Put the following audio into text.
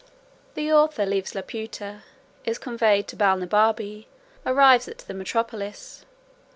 The author leaves Laputa; is conveyed to Balnibarbi; arrives at the metropolis.